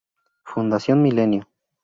Fundación Milenio.